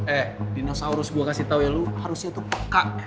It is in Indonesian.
eh dinosaurus gue kasih tau ya lu harusnya tuh peka